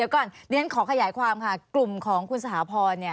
ขอขยายความค่ะกลุ่มของคุณสหพอร์